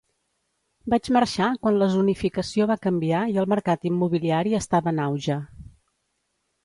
Vaig marxar quan la zonificació va canviar i el mercat immobiliari estava en auge.